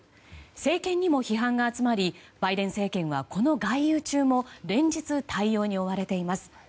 政権にも批判が集まりバイデン政権はこの外遊中も連日、対応に追われています。